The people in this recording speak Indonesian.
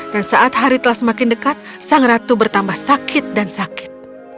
dan saat hari telah semakin dekat sang ratu bertambah sakit dan sakit